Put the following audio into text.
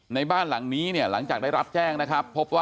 ในบ้านหลังนี้เนี่ยหลังจากได้รับแจ้งนะครับพบว่า